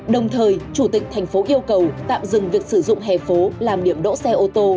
đồng thời chủ tịch thành phố yêu cầu tạm dừng việc sử dụng hè phố làm điểm đỗ xe ô tô